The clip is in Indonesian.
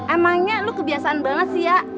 emangnya lu kebiasaan banget sih ya